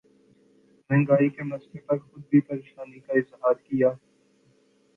مہنگائی کے مسئلے پر خود بھی پریشانی کا اظہار کیا